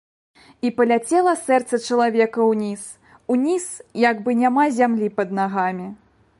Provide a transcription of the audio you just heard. І паляцела сэрца ў чалавека ўніз, уніз, як бы няма зямлі пад нагамі.